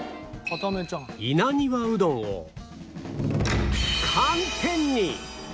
稲庭うどんを寒天に！